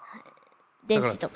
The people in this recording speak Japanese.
電池とか。